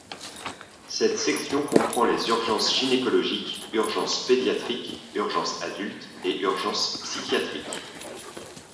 Cette section comprend les urgences gynécologiques, urgences pédiatriques, urgences adultes et urgences psychiatriques.